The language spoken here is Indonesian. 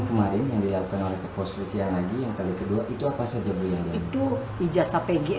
kemarin yang diapkan oleh kepolisian lagi yang kali kedua itu apa saja beliau itu ijazah peggy